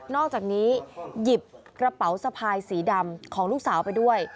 อกจากนี้หยิบกระเป๋าสะพายสีดำของลูกสาวไปด้วย